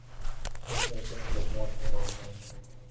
점점 더 못 견디게 배가 고파 오고 그리고 골머리가 띵하니 아팠던 것이다.